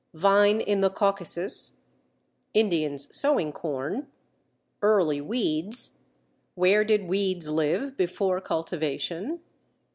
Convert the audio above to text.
Vine in the Caucasus Indians sowing corn Early weeds Where did weeds live before cultivation?